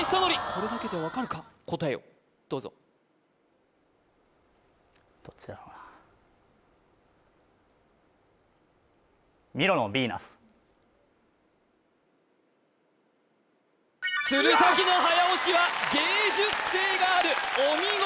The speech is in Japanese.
これだけで分かるか答えをどうぞどっちだろうな鶴崎の早押しは芸術性があるお見事！